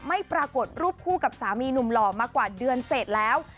ไม่ปรากฏรูปคู่กับสามีหนุ่มหล่อมากว่าเดือนเสร็จแล้ว